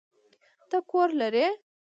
ته کور لری؟